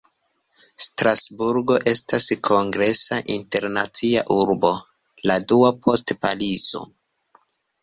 Strasburgo estas kongresa internacia urbo, la dua post Parizo.